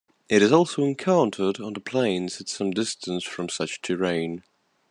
It is also encountered on the plains at some distance from such terrain.